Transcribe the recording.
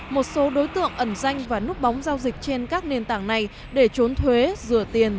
một số đối tượng ẩn danh và núp bóng giao dịch trên các nền tảng này để trốn thuế rửa tiền